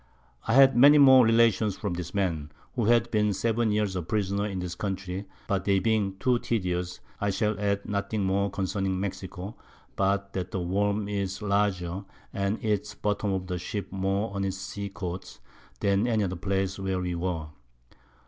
I had many more Relations from this Man, who had been 7 Years a Prisoner in this Country; but they being too tedious, I shall add nothing more concerning Mexico, but that the Worm is larger, and eats the Bottoms of the Ships more on its Sea Coasts, than any other Place where we were.